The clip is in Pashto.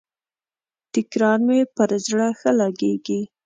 تکرار مي پر زړه ښه لګیږي.